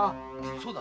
そうだ。